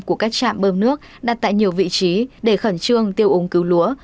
của các trạm bơm nước đặt tại nhiều vị trí để khẩn trương tiêu úng cứu lúa